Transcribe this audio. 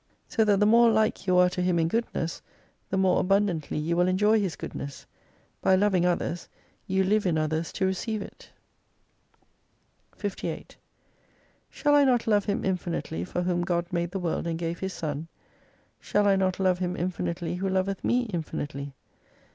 So that the more like you are to Him in goodness, the more abundantly you will enjoy His goodness. By lov ing others you live in others to receive it. i 58 Shall I not love him infinitely for whom God made the world and gave His Son ? Shall I not love him infinitely who loveth me infinitely